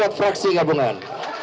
buat fraksi gabungan